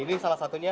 ini salah satunya